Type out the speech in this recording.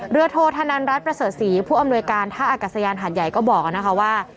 โทษธนันรัฐประเสริฐศรีผู้อำนวยการท่าอากาศยานหาดใหญ่ก็บอกนะคะว่า